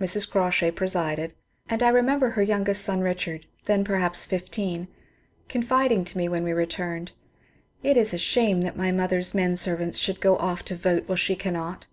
Mrs. Crawshay presided ; and I remember her youngest son Richard (then perhaps fifteen) confiding to me when we returned, ^^ It is a shame that my mother's men servants should go off to vote while she cannot.